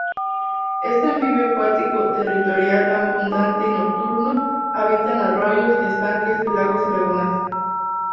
Este anfibio acuático, territorial, abundante y nocturno, habita en arroyos, estanques, lagos y lagunas.